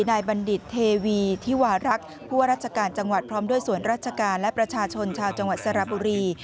บัณฑิตเทวีธิวารักษ์ผู้ว่าราชการจังหวัดพร้อมด้วยส่วนราชการและประชาชนชาวจังหวัดสระบุรี